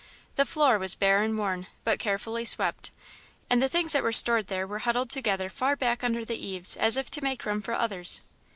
The floor was bare and worn, but carefully swept, and the things that were stored there were huddled together far back under the eaves, as if to make room for others.